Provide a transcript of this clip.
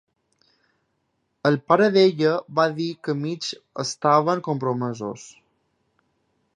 El pare d'ella va dir que mig estaven compromesos.